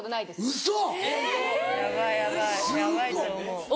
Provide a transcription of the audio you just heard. ウソ！